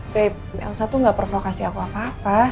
babe elsa tuh gak provokasi aku apa apa